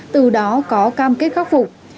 từ đó có cam kết khắc phục